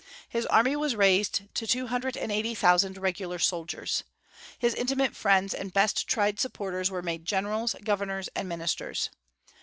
His army was raised to two hundred and eighty thousand regular soldiers. His intimate friends and best tried supporters were made generals, governors, and ministers.